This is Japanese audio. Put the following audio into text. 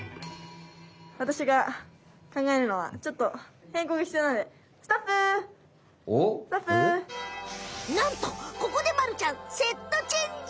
わたしが考えるのはちょっとへんこうがひつようなのでなんとここでまるちゃんセットチェンジ！